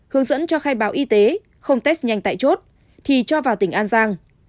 hướng dẫn cho khai báo y tế không test nhanh tại chốt thì cho vào tỉnh an giang